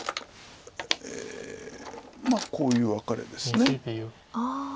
まあこういうワカレです。